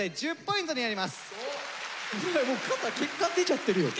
もう肩血管出ちゃってるよ。